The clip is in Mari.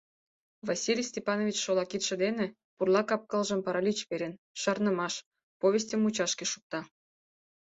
Василий Степанович шола кидше дене — пурла кап-кылжым паралич перен — шарнымаш-повестьым мучашке шукта.